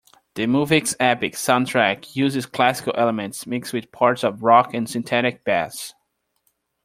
The movie's epic soundtrack uses classical elements mixed with parts of rock and synthetic bass.